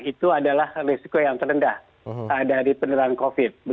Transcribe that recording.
itu adalah risiko yang terendah dari penerangan covid